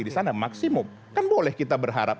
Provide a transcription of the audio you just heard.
di sana maksimum kan boleh kita berharap